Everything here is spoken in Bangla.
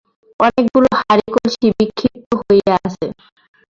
অনেকগুলি হাঁড়ি-কলসী বিক্ষিপ্ত হইয়া আছে।